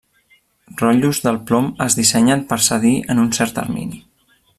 Rotllos del plom es dissenyen per cedir en un cert termini.